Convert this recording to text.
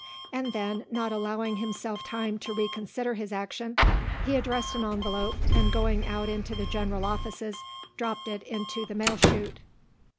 And then, not allowing himself time to reconsider his action, he addressed an envelope and going out into the general offices dropped it into the mail chute.